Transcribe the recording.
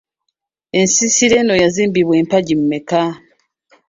Ensiisira eno yazimbwa n’empagi mmeka?